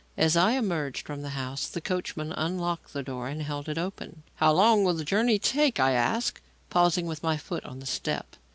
As I emerged from the house, the coachman unlocked the door and held it open. "How long will the journey take?" I asked, pausing with my foot on the step.